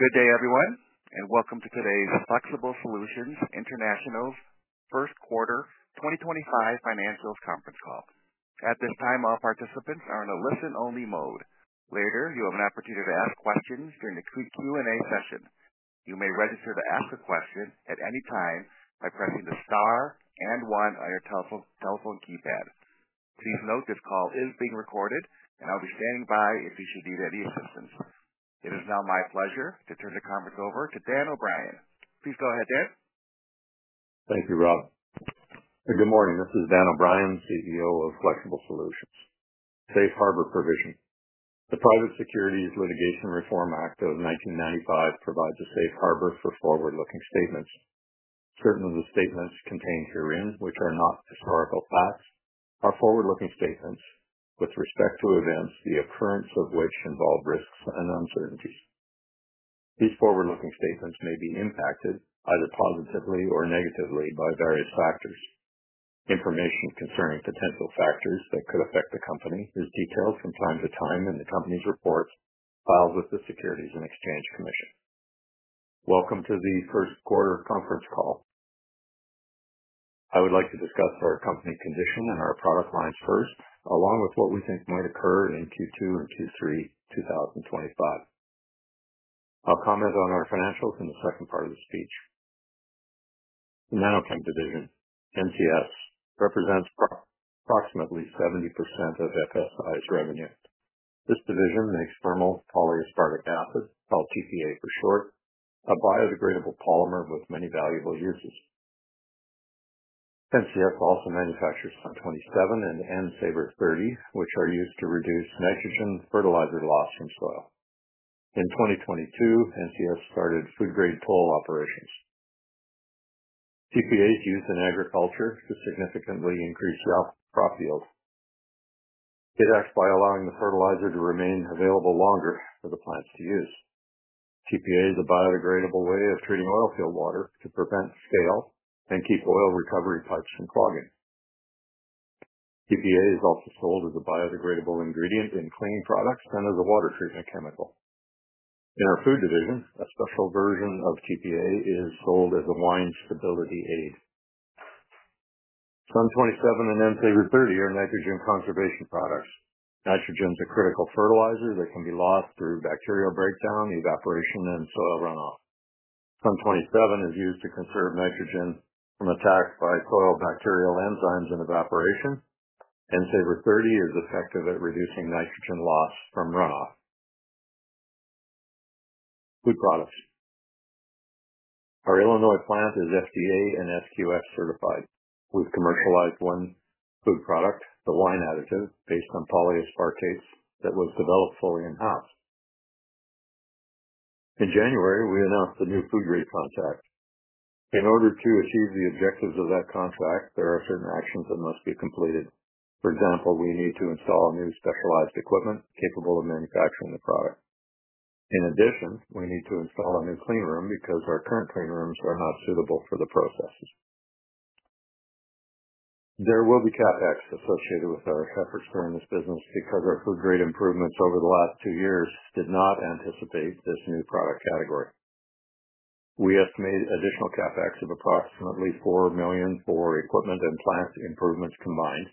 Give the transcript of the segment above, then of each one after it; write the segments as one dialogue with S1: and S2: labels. S1: Good day, everyone, and welcome to today's Flexible Solutions International's first quarter 2025 financials conference call. At this time, all participants are in a listen-only mode. Later, you have an opportunity to ask questions during the Q&A session. You may register to ask a question at any time by pressing the star and one on your telephone keypad. Please note this call is being recorded, and I'll be standing by if you should need any assistance. It is now my pleasure to turn the conference over to Dan O'Brien. Please go ahead, Dan.
S2: Thank you, Rob. Good morning. This is Dan O'Brien, CEO of Flexible Solutions. Safe Harbor Provision. The Private Securities Litigation Reform Act of 1995 provides a safe harbor for forward-looking statements. Certain of the statements contained herein which are not historical facts are forward-looking statements with respect to events the occurrence of which involve risks and uncertainties. These forward-looking statements may be impacted either positively or negatively by various factors. Information concerning potential factors that could affect the company is detailed from time to time in the company's reports filed with the Securities and Exchange Commission. Welcome to the first quarter conference call. I would like to discuss our company condition and our product lines first, along with what we think might occur in Q2 and Q3 2025. I'll comment on our financials in the second part of the speech. The NanoChem division, NCS, represents approximately 70% of FSI's revenue. This division makes thermal polyaspartic acid, called TPA for short, a biodegradable polymer with many valuable uses. NCS also manufactures SUN 27 and N Savr 30, which are used to reduce nitrogen fertilizer loss from soil. In 2022, NCS started food-grade toll operations. TPA is used in agriculture to significantly increase yields from crop yield. It acts by allowing the fertilizer to remain available longer for the plants to use. TPA is a biodegradable way of treating oilfield water to prevent scale and keep oil recovery pipes from clogging. TPA is also sold as a biodegradable ingredient in cleaning products and as a water treatment chemical. In our food division, a special version of TPA is sold as a wine stability aid. SUN 27 and N Savr 30 are nitrogen conservation products. Nitrogen is a critical fertilizer that can be lost through bacterial breakdown, evaporation, and soil runoff. SUN 27 is used to conserve nitrogen from attacks by soil bacterial enzymes and evaporation. N Savr 30 is effective at reducing nitrogen loss from runoff. Food products. Our Illinois plant is FDA and SQF certified. We've commercialized one food product, the wine additive based on polyaspartates that was developed fully in-house. In January, we announced a new food-grade contract. In order to achieve the objectives of that contract, there are certain actions that must be completed. For example, we need to install new specialized equipment capable of manufacturing the product. In addition, we need to install a new clean room because our current clean rooms are not suitable for the processes. There will be CapEx associated with our efforts during this business because our food-grade improvements over the last two years did not anticipate this new product category. We estimate additional CapEx of approximately $4 million for equipment and plant improvements combined,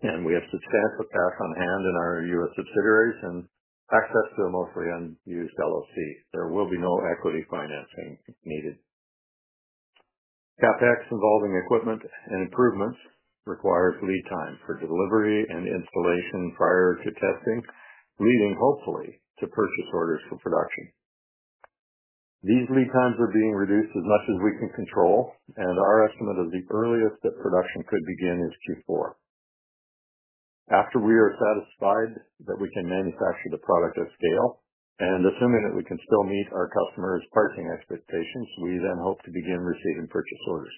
S2: and we have substantial cash on hand in our U.S. subsidiaries and access to a mostly unused LOC. There will be no equity financing needed. CapEx involving equipment and improvements requires lead time for delivery and installation prior to testing, leading hopefully to purchase orders for production. These lead times are being reduced as much as we can control, and our estimate of the earliest that production could begin is Q4. After we are satisfied that we can manufacture the product at scale and assuming that we can still meet our customers' pricing expectations, we then hope to begin receiving purchase orders.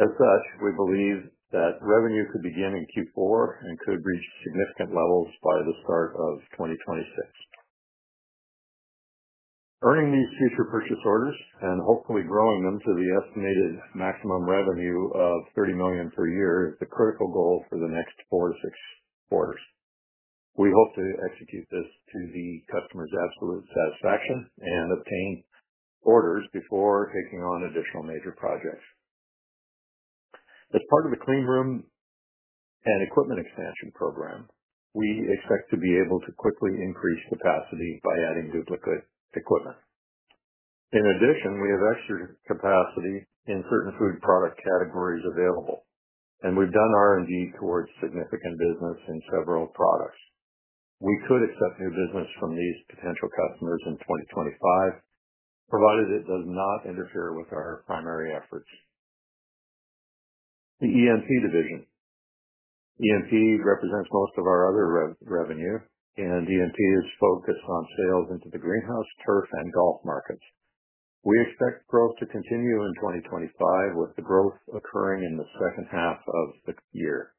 S2: As such, we believe that revenue could begin in Q4 and could reach significant levels by the start of 2026. Earning these future purchase orders and hopefully growing them to the estimated maximum revenue of $30 million per year is the critical goal for the next four quarters to six quarters. We hope to execute this to the customer's absolute satisfaction and obtain orders before taking on additional major projects. As part of the clean room and equipment expansion program, we expect to be able to quickly increase capacity by adding duplicate equipment. In addition, we have extra capacity in certain food product categories available, and we've done R&D towards significant business in several products. We could accept new business from these potential customers in 2025, provided it does not interfere with our primary efforts. The ENP division. ENP represents most of our other revenue, and ENP is focused on sales into the greenhouse, turf, and golf markets. We expect growth to continue in 2025 with the growth occurring in the second half of the year.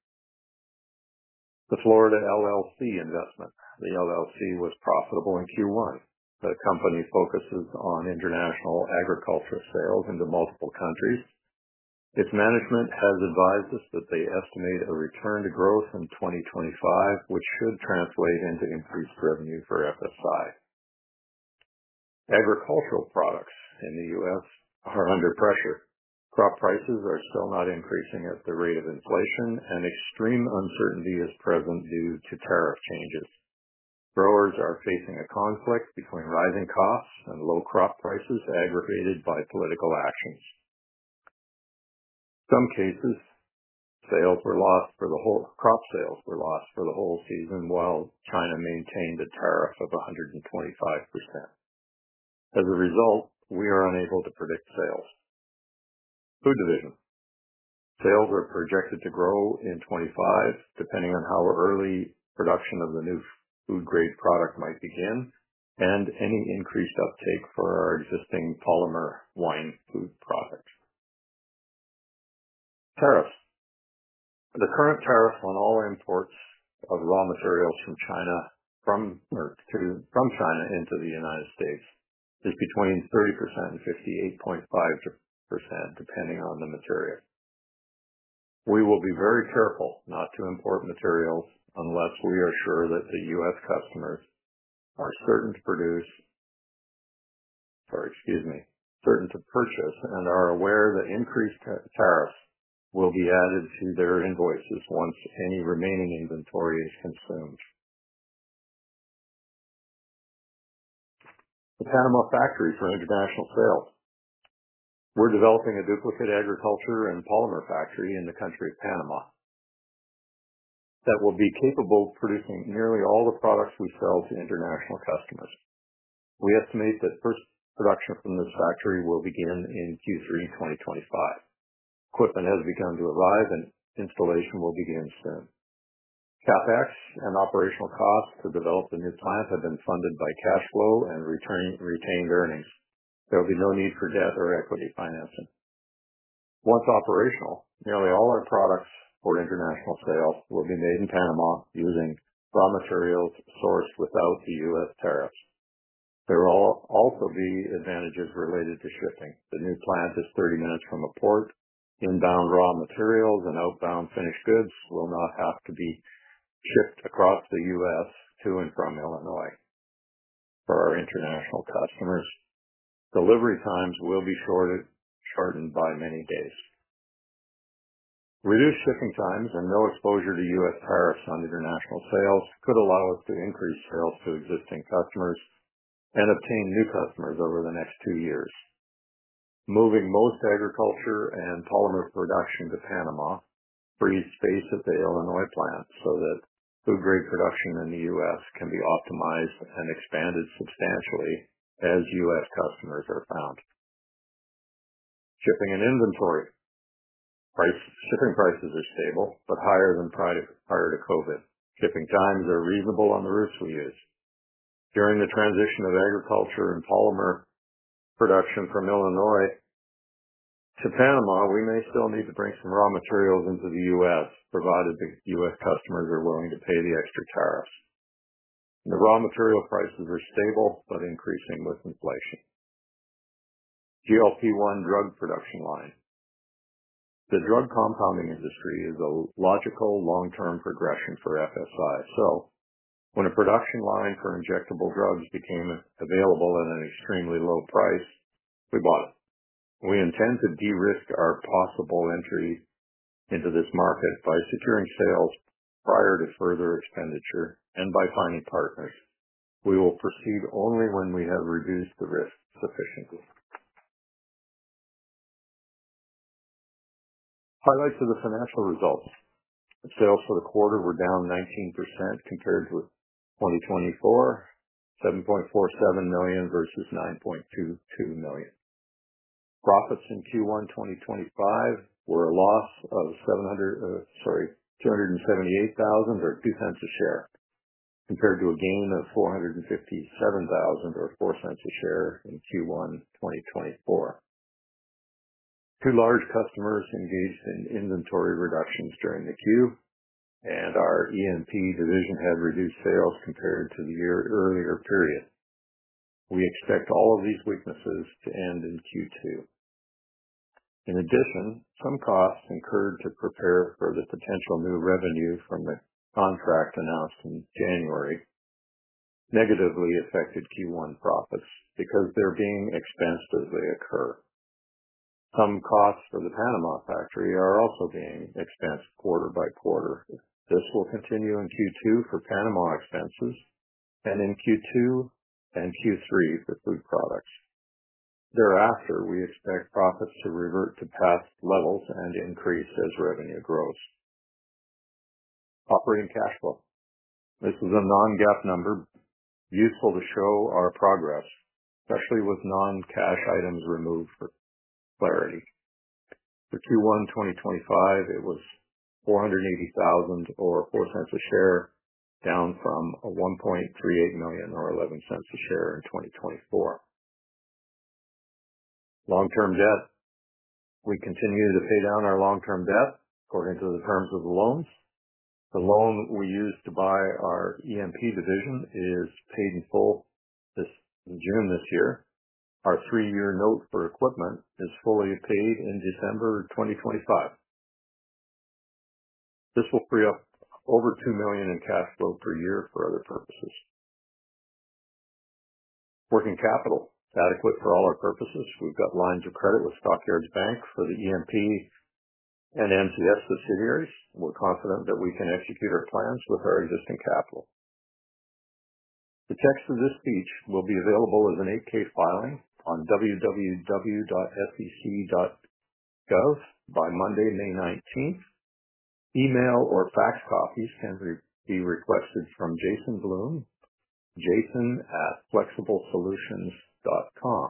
S2: The Florida LLC investment. The LLC was profitable in Q1. The company focuses on international agricultural sales into multiple countries. Its management has advised us that they estimate a return to growth in 2025, which should translate into increased revenue for FSI. Agricultural products in the U.S. are under pressure. Crop prices are still not increasing at the rate of inflation, and extreme uncertainty is present due to tariff changes. Growers are facing a conflict between rising costs and low crop prices aggravated by political actions. In some cases, sales were lost for the whole crop, sales were lost for the whole season while China maintained a tariff of 125%. As a result, we are unable to predict sales. Food division. Sales are projected to grow in 2025, depending on how early production of the new food-grade product might begin and any increased uptake for our existing polymer wine food products. Tariffs. The current tariff on all imports of raw materials from China into the U.S. is between 30% and 58.5%, depending on the material. We will be very careful not to import materials unless we are sure that the U.S. customers are certain to produce—sorry, excuse me—certain to purchase and are aware that increased tariffs will be added to their invoices once any remaining inventory is consumed. The Panama factory for international sales. We are developing a duplicate agriculture and polymer factory in the country of Panama that will be capable of producing nearly all the products we sell to international customers. We estimate that first production from this factory will begin in Q3 2025. Equipment has begun to arrive, and installation will begin soon. CapEx and operational costs to develop the new plant have been funded by cash flow and retained earnings. There will be no need for debt or equity financing. Once operational, nearly all our products for international sales will be made in Panama using raw materials sourced without the U.S. tariffs. There will also be advantages related to shipping. The new plant is 30 minutes from a port. Inbound raw materials and outbound finished goods will not have to be shipped across the U.S. to and from Illinois. For our international customers, delivery times will be shortened by many days. Reduced shipping times and no exposure to U.S. tariffs on international sales could allow us to increase sales to existing customers and obtain new customers over the next two years. Moving most agriculture and polymer production to Panama free space at the Illinois plant so that food-grade production in the U.S. can be optimized and expanded substantially as U.S. customers are found. Shipping and inventory. Shipping prices are stable but higher than prior to COVID. Shipping times are reasonable on the routes we use. During the transition of agriculture and polymer production from Illinois to Panama, we may still need to bring some raw materials into the U.S., provided the U.S. customers are willing to pay the extra tariffs. The raw material prices are stable but increasing with inflation. GLP-1 drug production line. The drug compounding industry is a logical long-term progression for FSI. So when a production line for injectable drugs became available at an extremely low price, we bought it. We intend to de-risk our possible entry into this market by securing sales prior to further expenditure and by finding partners. We will proceed only when we have reduced the risk sufficiently. Highlights of the financial results. Sales for the quarter were down 19% compared to 2024, $7.47 million versus $9.22 million. Profits in Q1 2025 were a loss of $278,000 or $0.02 a share compared to a gain of $457,000 or $0.04 a share in Q1 2024. Two large customers engaged in inventory reductions during the Q, and our ENP division had reduced sales compared to the year earlier period. We expect all of these weaknesses to end in Q2. In addition, some costs incurred to prepare for the potential new revenue from the contract announced in January negatively affected Q1 profits because they're being expensed as they occur. Some costs for the Panama factory are also being expensed quarter by quarter. This will continue in Q2 for Panama expenses and in Q2 and Q3 for food products. Thereafter, we expect profits to revert to past levels and increase as revenue grows. Operating cash flow. This is a non-GAAP number useful to show our progress, especially with non-cash items removed for clarity. For Q1 2025, it was $480,000 or $0.04 a share, down from $1.38 million or $0.11 a share in 2024. Long-term debt. We continue to pay down our long-term debt according to the terms of the loans. The loan we used to buy our ENP division is paid in full in June this year. Our three-year note for equipment is fully paid in December 2025. This will free up over $2 million in cash flow per year for other purposes. Working capital. Adequate for all our purposes. We've got lines of credit with Stock Yards Bank for the ENP and NCS subsidiaries. We're confident that we can execute our plans with our existing capital. The text of this speech will be available as an 8-K filing on www.sec.gov by Monday, May 19th. Email or fax copies can be requested from Jason Bloom, jason@flexiblesolutions.com.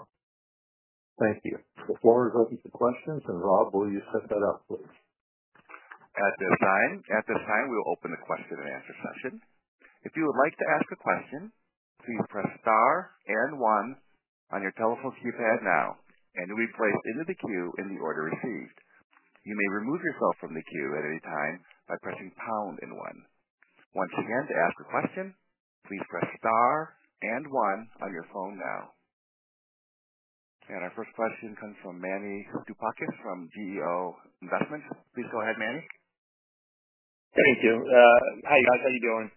S2: Thank you. The floor is open for questions, and Rob, will you step that up, please?
S1: At this time, we will open the question and answer session. If you would like to ask a question, please press star and one on your telephone keypad now, and you'll be placed into the queue in the order received. You may remove yourself from the queue at any time by pressing pound and one. Once again, to ask a question, please press star and one on your phone now. Our first question comes from Manny Stoupakis from GEO Investments. Please go ahead, Manny.
S3: Thank you. Hi, guys. How are you doing?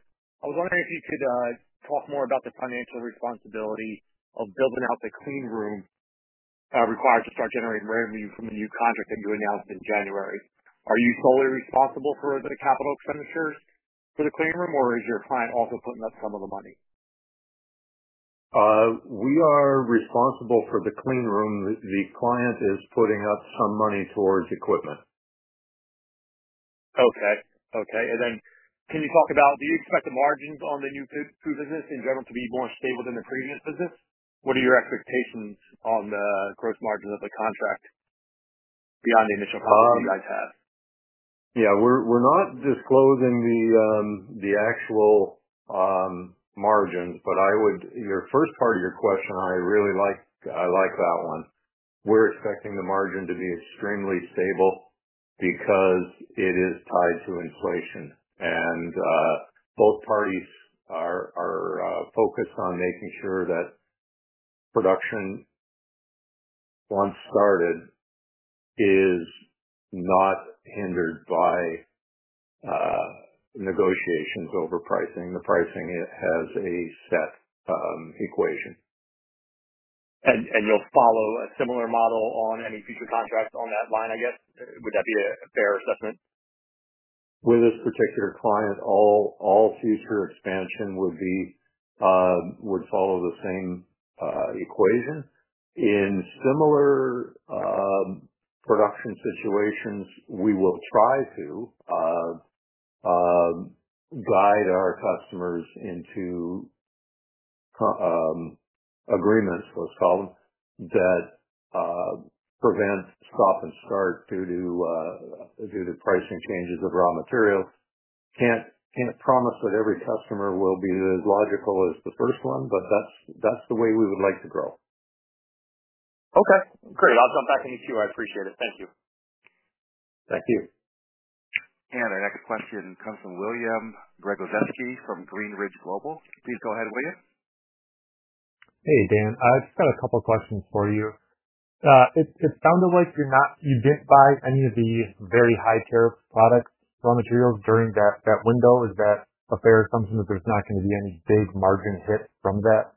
S3: I was wondering if you could talk more about the financial responsibility of building out the clean room required to start generating revenue from the new contract that you announced in January. Are you solely responsible for the capital expenditures for the clean room? Or is your client also putting up some of the money?
S2: We are responsible for the clean room. The client is putting up some money towards equipment.
S3: Okay. Okay. Can you talk about do you expect the margins on the new food business in general to be more stable than the previous business? What are your expectations on the gross margins of the contract beyond the initial costs you guys have?
S2: Yeah. We're not disclosing the actual margins, but your first part of your question, I like that one. We're expecting the margin to be extremely stable because it is tied to inflation, and both parties are focused on making sure that production, once started, is not hindered by negotiations over pricing. The pricing has a set equation.
S3: You'll follow a similar model on any future contracts on that line, I guess. Would that be a fair assessment?
S2: With this particular client, all future expansion would follow the same equation. In similar production situations, we will try to guide our customers into agreements, let's call them, that prevent stop and start due to pricing changes of raw materials. Can't promise that every customer will be as logical as the first one, but that's the way we would like to grow.
S3: Okay. Great. I'll jump back in the queue. I appreciate it. Thank you.
S2: Thank you.
S1: Our next question comes from William Gregozeski from Greenridge Global. Please go ahead, William.
S4: Hey, Dan. I just got a couple of questions for you. It sounded like you did not buy any of the very high tariff products, raw materials during that window. Is that a fair assumption that there is not going to be any big margin hit from that?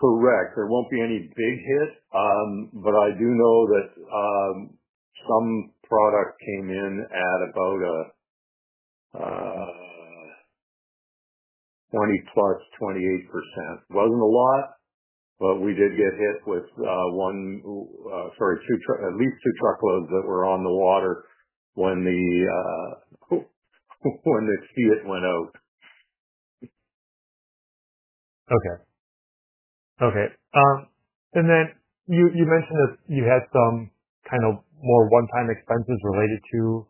S2: Correct. There will not be any big hit, but I do know that some product came in at about 20% plus 28%. It was not a lot, but we did get hit with one, sorry, at least two truckloads that were on the water when the fiat went out.
S4: Okay. Okay. You mentioned that you had some kind of more one-time expenses related to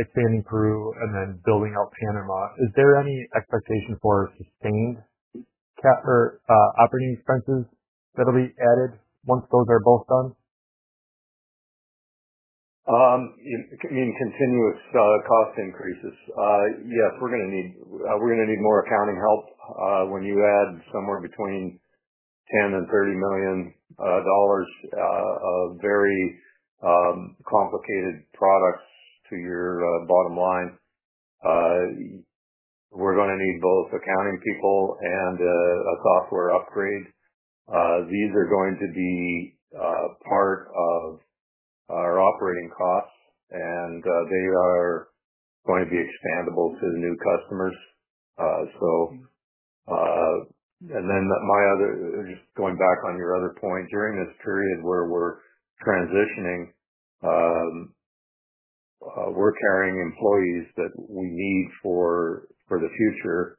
S4: expanding Peru and then building out Panama. Is there any expectation for sustained operating expenses that will be added once those are both done?
S2: I mean, continuous cost increases. Yes, we're going to need more accounting help when you add somewhere between $10 million and $30 million of very complicated products to your bottom line. We're going to need both accounting people and a software upgrade. These are going to be part of our operating costs, and they are going to be expandable to new customers. Just going back on your other point, during this period where we're transitioning, we're carrying employees that we need for the future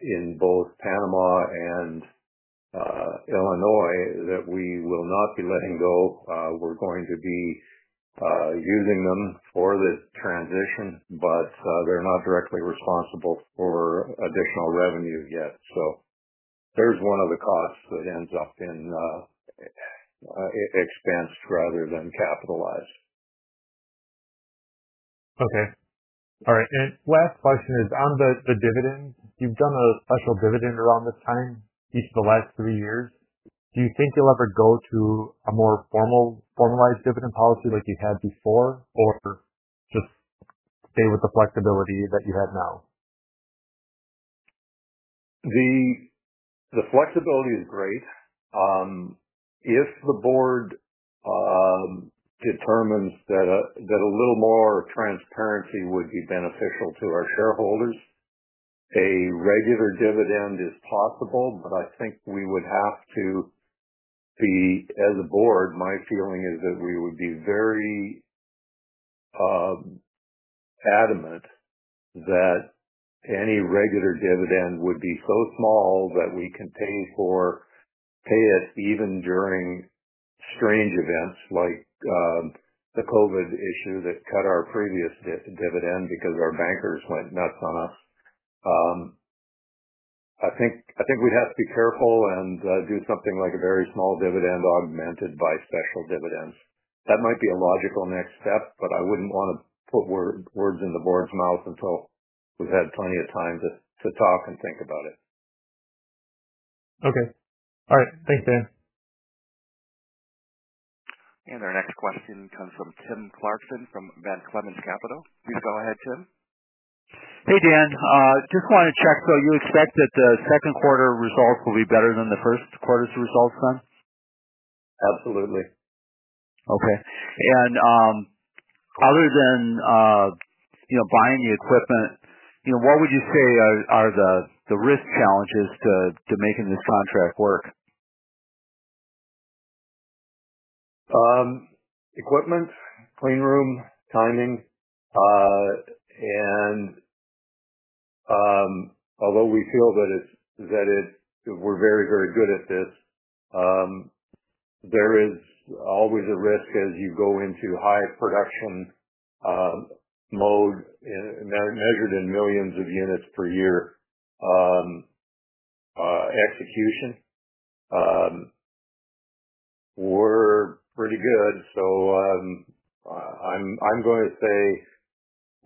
S2: in both Panama and Illinois that we will not be letting go. We're going to be using them for the transition, but they're not directly responsible for additional revenue yet. There is one of the costs that ends up in expense rather than capitalized.
S4: Okay. All right. Last question is on the dividends. You've done a special dividend around this time each of the last three years. Do you think you'll ever go to a more formalized dividend policy like you had before? Or just stay with the flexibility that you have now?
S2: The flexibility is great. If the board determines that a little more transparency would be beneficial to our shareholders, a regular dividend is possible, but I think we would have to be—as a Board, my feeling is that we would be very adamant that any regular dividend would be so small that we can pay it even during strange events like the COVID issue that cut our previous dividend because our bankers went nuts on us. I think we'd have to be careful and do something like a very small dividend augmented by special dividends. That might be a logical next step, but I wouldn't want to put words in the Board's mouth until we've had plenty of time to talk and think about it.
S4: Okay. All right. Thanks, Dan.
S1: Our next question comes from Tim Clarkson from Van Clemens Capital. Please go ahead, Tim.
S5: Hey, Dan. Just want to check. You expect that the second quarter results will be better than the first quarter's results then?
S2: Absolutely.
S5: Okay. Other than buying the equipment, what would you say are the risk challenges to making this contract work?
S2: Equipment, clean room, timing. Although we feel that we're very, very good at this, there is always a risk as you go into high production mode measured in millions of units per year execution. We're pretty good. I'm going to say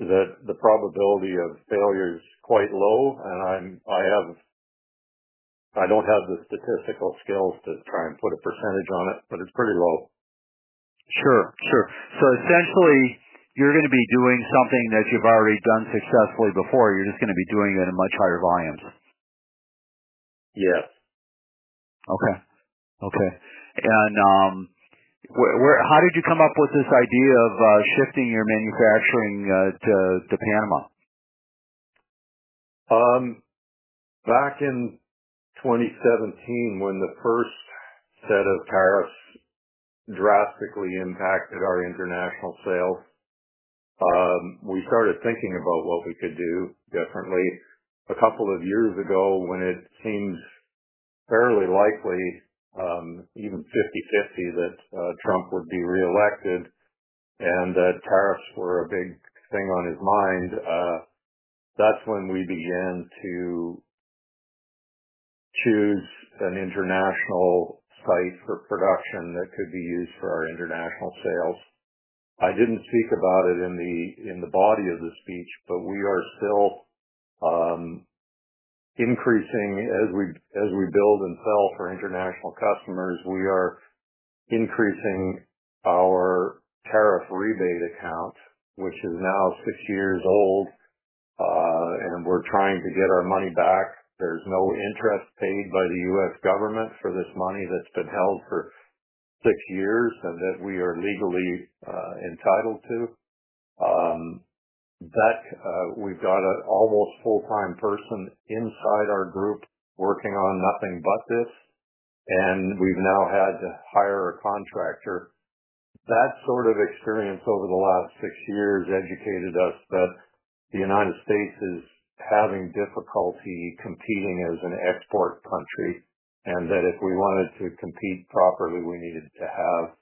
S2: that the probability of failure is quite low, and I don't have the statistical skills to try and put a percentage on it, but it's pretty low.
S5: Sure. Sure. Essentially, you're going to be doing something that you've already done successfully before. You're just going to be doing it in much higher volumes.
S2: Yes.
S5: Okay. Okay. How did you come up with this idea of shifting your manufacturing to Panama?
S2: Back in 2017, when the first set of tariffs drastically impacted our international sales, we started thinking about what we could do differently. A couple of years ago, when it seemed fairly likely, even 50/50, that Trump would be reelected and that tariffs were a big thing on his mind, that's when we began to choose an international site for production that could be used for our international sales. I didn't speak about it in the body of the speech, but we are still increasing as we build and sell for international customers. We are increasing our tariff rebate account, which is now six years old, and we're trying to get our money back. There's no interest paid by the U.S. government for this money that's been held for six years and that we are legally entitled to. We've got an almost full-time person inside our group working on nothing but this, and we've now had to hire a contractor. That sort of experience over the last six years educated us that the United States is having difficulty competing as an export country and that if we wanted to compete properly, we needed to have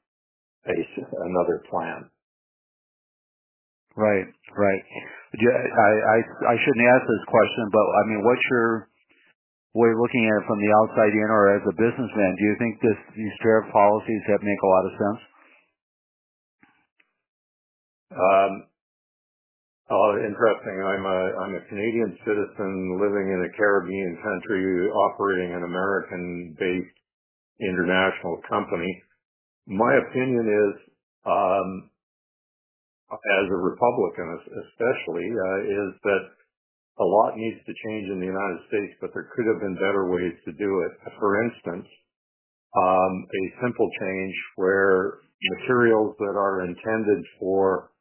S2: another plan.
S5: Right. Right. I shouldn't ask this question, but I mean, what's your way of looking at it from the outside in or as a businessman? Do you think these tariff policies make a lot of sense?
S2: Interesting. I'm a Canadian citizen living in a Caribbean country operating an American-based international company. My opinion is, as a Republican especially, is that a lot needs to change in the United States, but there could have been better ways to do it. For instance, a simple change where materials that are intended for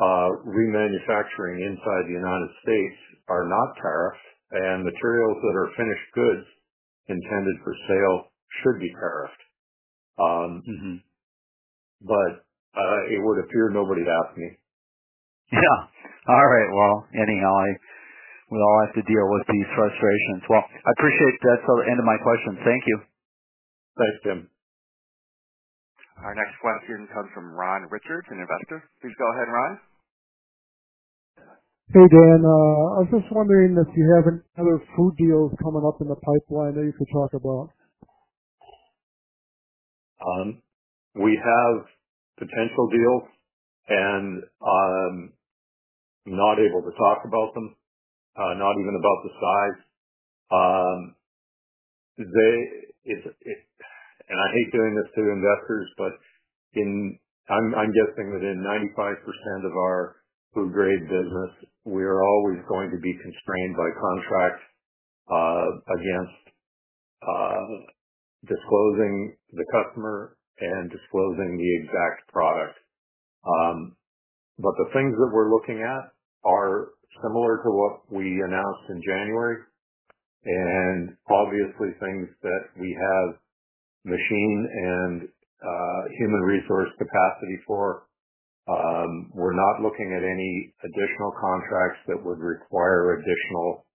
S2: remanufacturing inside the United States are not tariffed and materials that are finished goods intended for sale should be tariffed. It would appear nobody asked me.
S5: Yeah. All right. Anyhow, we all have to deal with these frustrations. I appreciate that's the end of my questions. Thank you.
S2: Thanks, Tim.
S1: Our next question comes from Ron Richards, an investor. Please go ahead, Ron. Hey, Dan. I was just wondering if you have any other food deals coming up in the pipeline that you could talk about?
S2: We have potential deals and not able to talk about them, not even about the size. I hate doing this to investors, but I'm guessing within 95% of our food-grade business, we are always going to be constrained by contract against disclosing the customer and disclosing the exact product. The things that we're looking at are similar to what we announced in January, and obviously, things that we have machine and human resource capacity for. We're not looking at any additional contracts that would require additional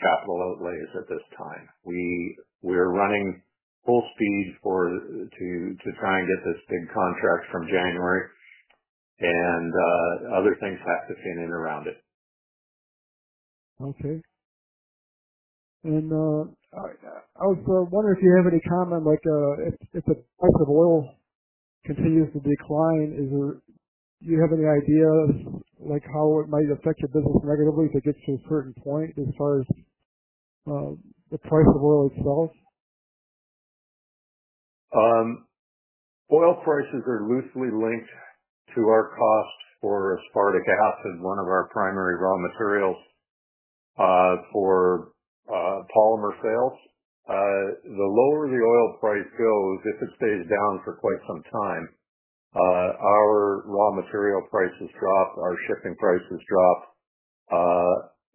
S2: capital outlays at this time. We're running full speed to try and get this big contract from January, and other things have to fit in around it. Okay. I was wondering if you have any comment. If the price of oil continues to decline, do you have any idea how it might affect your business negatively if it gets to a certain point as far as the price of oil itself? Oil prices are loosely linked to our cost for aspartic acid, one of our primary raw materials for polymer sales. The lower the oil price goes, if it stays down for quite some time, our raw material prices drop, our shipping prices drop,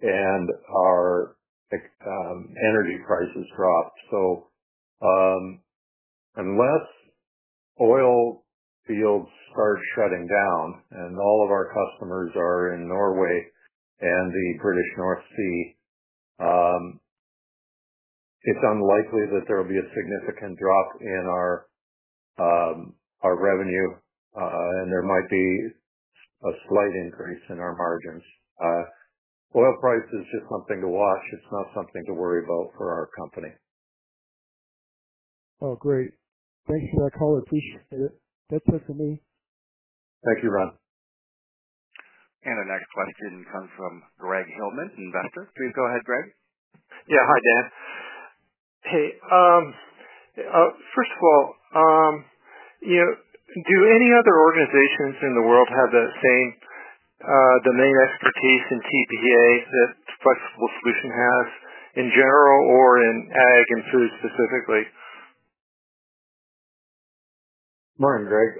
S2: and our energy prices drop. Unless oil fields start shutting down and all of our customers are in Norway and the British North Sea, it is unlikely that there will be a significant drop in our revenue, and there might be a slight increase in our margins. Oil price is just something to watch. It is not something to worry about for our company. Oh, great. Thanks for the color. I appreciate it. That's it for me. Thank you, Ron.
S1: Our next question comes from Greg Hillman, investor. Please go ahead, Greg. Yeah. Hi, Dan. Hey. First of all, do any other organizations in the world have the same the main expertise in TPA that Flexible Solutions has in general or in ag and food specifically?
S2: Morning, Greg.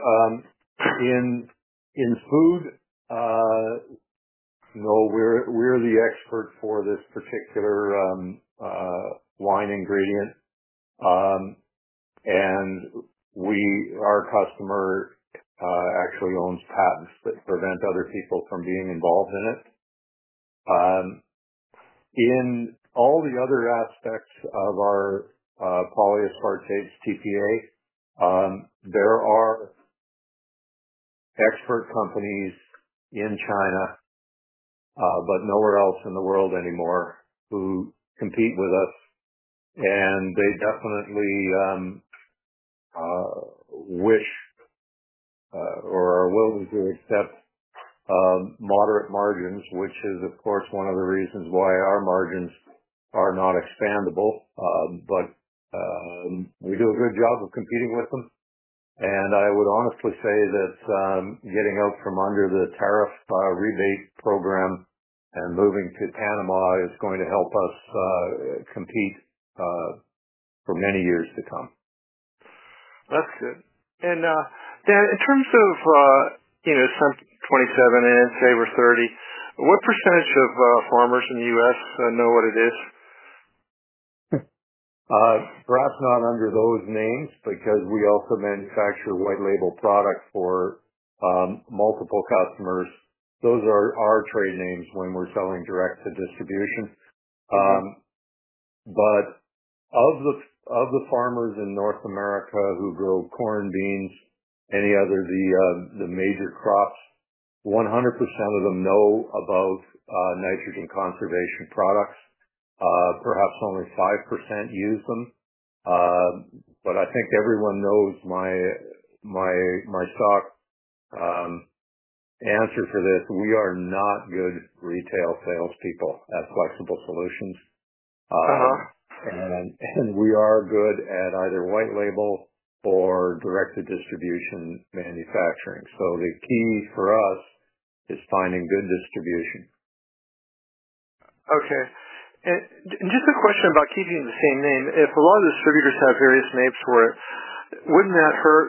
S2: In food, no. We're the expert for this particular wine ingredient, and our customer actually owns patents that prevent other people from being involved in it. In all the other aspects of our polyaspartate's TPA, there are expert companies in China, but nowhere else in the world anymore, who compete with us. They definitely wish or are willing to accept moderate margins, which is, of course, one of the reasons why our margins are not expandable. We do a good job of competing with them. I would honestly say that getting out from under the tariff rebate program and moving to Panama is going to help us compete for many years to come. That's good. Dan, in terms of SUN 27 and N Savr 30, what percentage of farmers in the U.S. know what it is? Perhaps not under those names because we also manufacture white-label products for multiple customers. Those are our trade names when we're selling direct to distribution. Of the farmers in North America who grow corn, beans, any other of the major crops, 100% of them know about nitrogen conservation products. Perhaps only 5% use them. I think everyone knows my stock answer for this. We are not good retail salespeople at Flexible Solutions, and we are good at either white-label or direct-to-distribution manufacturing. The key for us is finding good distribution. Okay. Just a question about keeping the same name. If a lot of distributors have various names for it, would not that hurt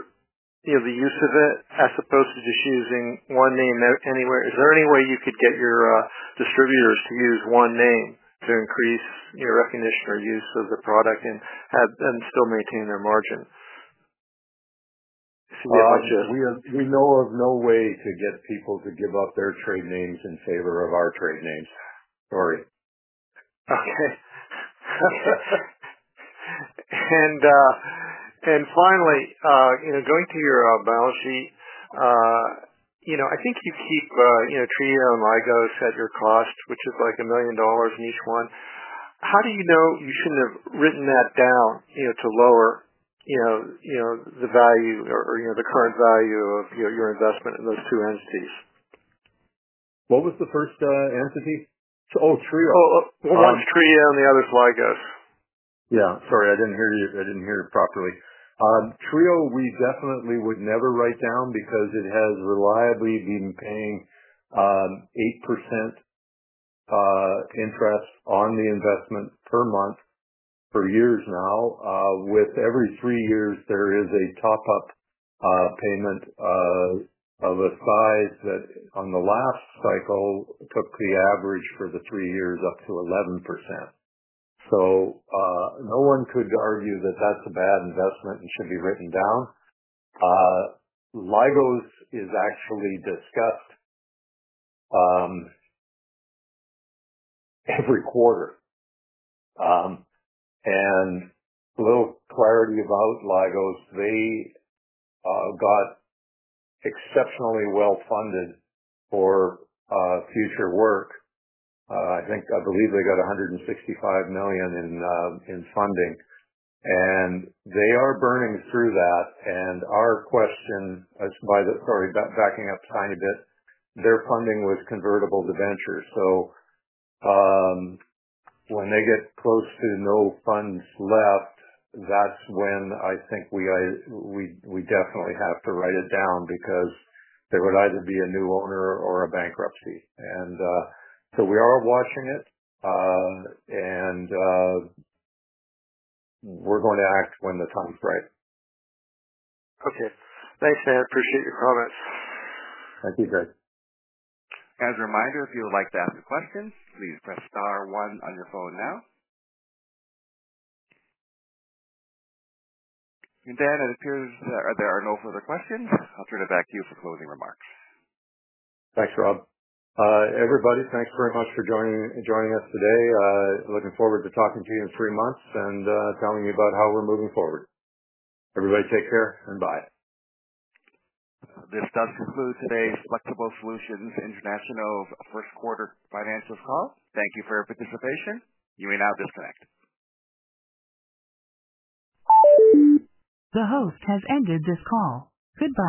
S2: the use of it as opposed to just using one name anywhere? Is there any way you could get your distributors to use one name to increase recognition or use of the product and still maintain their margin? If you get a bunch of. We know of no way to get people to give up their trade names in favor of our trade names. Sorry. Okay. Finally, going to your balance sheet, I think you keep Trio and Lygos at your cost, which is like $1 million in each one. How do you know you should not have written that down to lower the value or the current value of your investment in those two entities? What was the first entity? Oh, Trio. Oh, one's Trio and the other's Lygos. Yeah. Sorry. I didn't hear you. I didn't hear you properly. Trio, we definitely would never write down because it has reliably been paying 8% interest on the investment per month for years now. With every three years, there is a top-up payment of a size that, on the last cycle, took the average for the three years up to 11%. No one could argue that that's a bad investment and should be written down. Lygos is actually discussed every quarter. And a little clarity about Lygos. They got exceptionally well-funded for future work. I believe they got $165 million in funding, and they are burning through that. And our question by the—sorry, backing up a tiny bit. Their funding was convertible to venture. When they get close to no funds left, that's when I think we definitely have to write it down because there would either be a new owner or a bankruptcy. We are watching it, and we're going to act when the time's right. Okay. Thanks, Dan. Appreciate your comments. Thank you, Greg.
S1: As a reminder, if you would like to ask a question, please press star one on your phone now. Dan, it appears that there are no further questions. I'll turn it back to you for closing remarks.
S2: Thanks, Rob. Everybody, thanks very much for joining us today. Looking forward to talking to you in three months and telling you about how we're moving forward. Everybody, take care and bye.
S1: This does conclude today's Flexible Solutions International's first quarter financials call. Thank you for your participation. You may now disconnect. The host has ended this call. Goodbye.